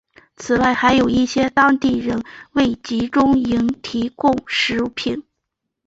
此外还有一些当地人为集中营提供食品。